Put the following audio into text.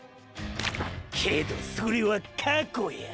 けどそれは過去や！！